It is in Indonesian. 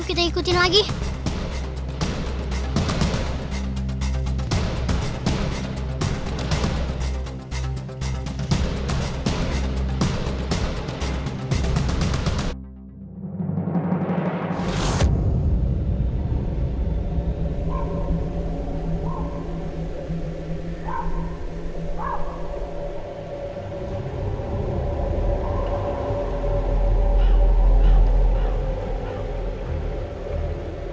kita pulang aja yuk